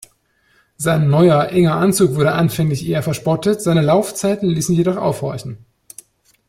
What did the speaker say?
Sein neuer, enger Anzug wurde anfänglich eher verspottet, seine Laufzeiten liessen jedoch aufhorchen.